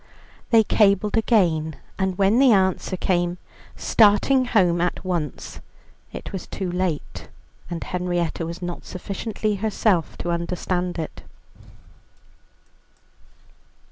They cabled again, and when the answer came, "Starting home at once," it was too late, and Henrietta was not sufficiently herself to understand it.